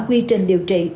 quy trình điều trị